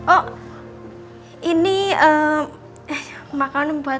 oh ini makanan buat mbak andin